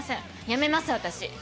やめます、私。